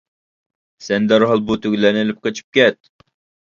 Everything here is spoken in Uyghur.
سەن دەرھال بۇ تۆگىلەرنى ئېلىپ قېچىپ كەت!